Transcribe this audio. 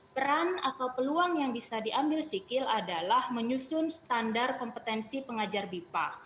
peran atau peluang yang bisa diambil sikil adalah menyusun standar kompetensi pengajar bipa